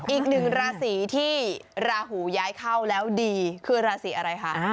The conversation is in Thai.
อีกหนึ่งราศีที่ราหูย้ายเข้าแล้วดีคือราศีอะไรคะ